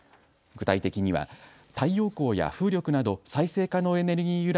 具体的には太陽光や風力など再生可能エネルギー